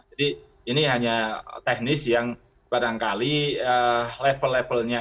jadi ini hanya teknis yang barangkali level levelnya